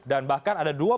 dan bahkan ada dua berikutnya